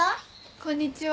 こんにちは。